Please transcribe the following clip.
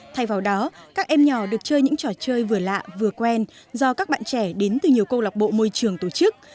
thay vào đó các em nhỏ được chơi những trò chơi vừa lạ vừa quen do các bạn trẻ đến từ nhiều câu lạc bộ môi trường tổ chức